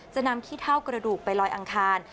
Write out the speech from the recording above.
จะนำขี้เท่ากระดูกไปลอยอังคาร